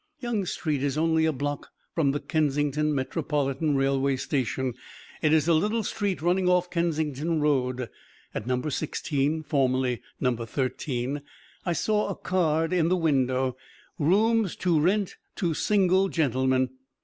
'" Young Street is only a block from the Kensington Metropolitan Railway Station. It is a little street running off Kensington Road. At Number Sixteen (formerly Number Thirteen), I saw a card in the window, "Rooms to Rent to Single Gentlemen."